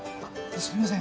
すみません。